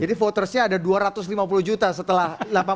jadi futter nya ada dua ratus lima puluh juta setelah delapan puluh lima